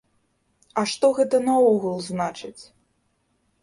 А што гэта наогул значыць?